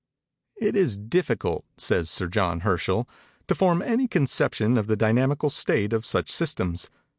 "It is difficult," says Sir John Herschell, "to form any conception of the dynamical state of such systems.